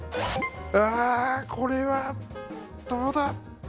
うわあこれはどうだ。